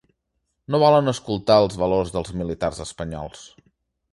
No volen escoltar els valors dels militars espanyols